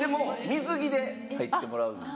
水着で入ってもらうんで。